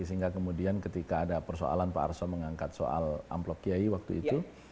sehingga kemudian ketika ada persoalan pak arso mengangkat soal amplop kiai waktu itu